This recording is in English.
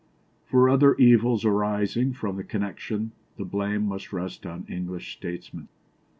For other evils arising from the connection the blame must rest on English Statesmen.